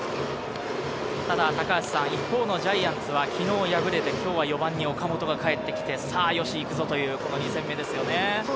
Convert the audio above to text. ただ一方のジャイアンツは昨日敗れて、今日は４番に岡本が帰ってきて、よし行くぞ！という２戦目ですね。